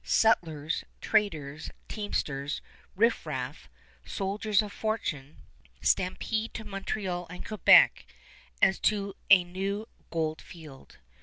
Sutlers, traders, teamsters, riffraff, soldiers of fortune, stampede to Montreal and Quebec as to a new gold field.